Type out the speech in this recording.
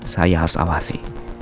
saya harus awasi